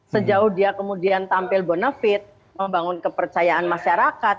sejauh dia kemudian tampil benefit membangun kepercayaan masyarakat